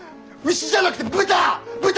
牛じゃなくて豚！